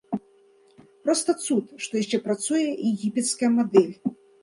Проста цуд, што яшчэ працуе егіпецкая мадэль.